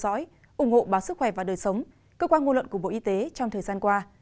cảm ơn quý vị đã theo dõi ủng hộ báo sức khỏe và đời sống cơ quan ngôn luận của bộ y tế trong thời gian qua